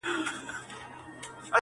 راووزه جهاني په خلوتونو پوره نه سوه؛